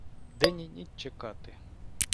День і ніч чекати.